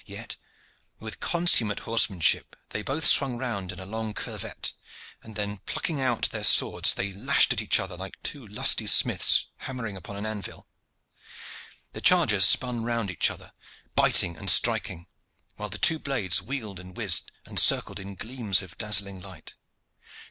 Yet with consummate horsemanship they both swung round in a long curvet, and then plucking out their swords they lashed at each other like two lusty smiths hammering upon an anvil. The chargers spun round each other, biting and striking, while the two blades wheeled and whizzed and circled in gleams of dazzling light.